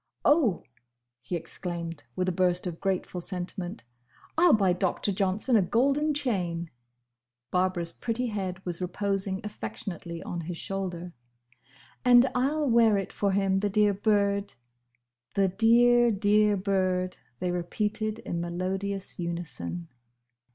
"Oh!" he exclaimed, with a burst of grateful sentiment, "I 'll buy Doctor Johnson a golden chain!" Barbara's pretty head was reposing affectionately on his shoulder. "And I 'll wear it for him. The dear bird." "The dear, dear bird!" they repeated in melodious unison.